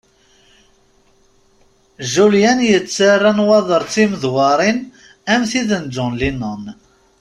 Julien yettarra nnwaḍer d timdewṛin am tid n John Lennon.